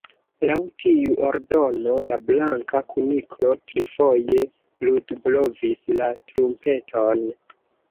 Laŭ tiu ordono, la Blanka Kuniklo trifoje ludblovis la trumpeton.